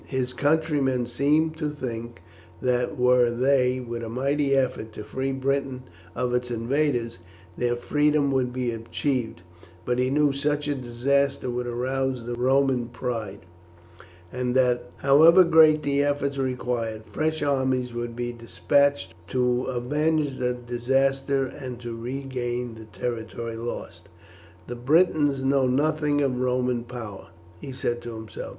His countrymen seemed to think that were they, with a mighty effort, to free Britain of its invaders, their freedom would be achieved; but he knew that such a disaster would arouse the Roman pride, and that however great the effort required, fresh armies would be despatched to avenge the disaster and to regain the territory lost. "The Britons know nothing of Roman power," he said to himself.